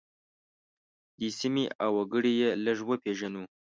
دې سیمې او وګړي یې لږ وپیژنو.